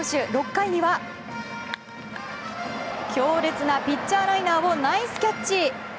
６回には強烈なピッチャーライナーをナイスキャッチ！